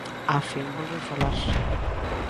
Á fin volveu falar.